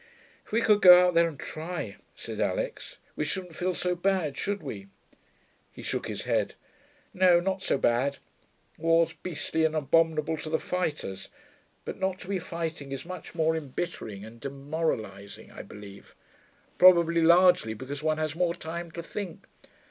'If we could go out there and try,' said Alix, 'we shouldn't feel so bad, should we?' He shook his head. 'No: not so bad. War's beastly and abominable to the fighters: but not to be fighting is much more embittering and demoralising, I believe. Probably largely because one has more time to think.